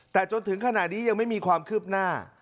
แต่จนถึงขณะนี้ยังไม่มีความคืบหน้า